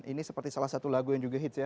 ini seperti salah satu lagu yang juga hits ya